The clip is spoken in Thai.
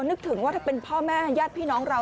นึกถึงว่าถ้าเป็นพ่อแม่ญาติพี่น้องเรา